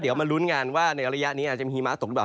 เดี๋ยวมาลุ้นกันว่าในระยะนี้อาจจะมีหิมะตกหรือเปล่า